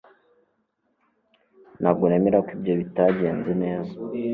ntabwo nemera ko ibyo bitagenze neza